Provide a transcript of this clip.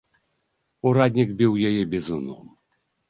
Ураднік біў яе бізуном.